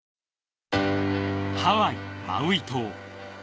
ハワイ・マウイ島。